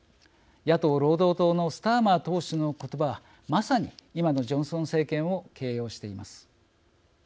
野党労働党のスターマー党首のことばはまさに、今のジョンソン政権を形容しています。